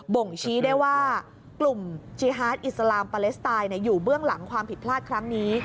บ่งชี้ได้ว่ากลุ่มจีฮาร์ดอิสลามปาเลสไตน์อยู่เบื้องหลังความผิดพลาดครั้งนี้